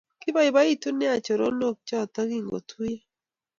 Kiboboitu neya choronok choto kingotuiyo